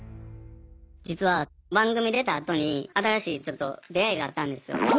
実は番組出たあとに新しいちょっと出会いがあったんですよ。